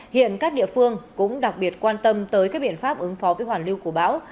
hiện các địa phương cũng đặc biệt quan tâm tới các biện pháp ứng phó với hoàn lưu của bão